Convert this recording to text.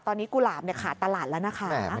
ตอนนี้กุหลาบขาดตลาดแล้วนะคะ